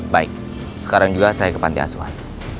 baik sekarang juga saya ke panti asuhan